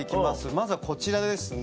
まずはこちらですね。